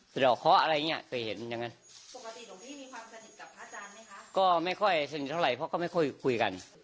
สะดอกเคาะอะไรอย่างนี้เคยเห็นอย่างนั้น